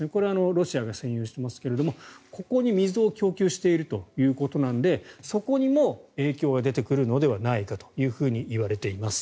ロシアが占領していますがここに水を供給しているということなのでそこにも影響が出てくるのではないかといわれています。